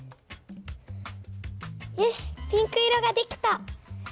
よしピンク色が出来た。